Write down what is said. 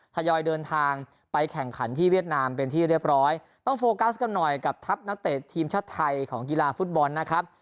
ทยอยเดินทางไปแข่งขันที่เวียดนามเป็นที่เรียบร้อยต้องโฟกัสกันหน่อยกับทัพนักเตะทีมชาติไทยของกีฬาฟุตบอลนะครับ